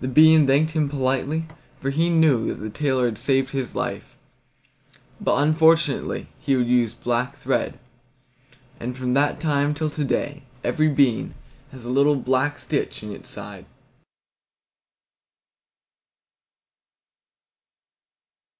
The bean thanked him politely, for he knew that the tailor had saved his life, but unfortunately he had used black thread, and from that time till to day every bean has a little black stitch in its side.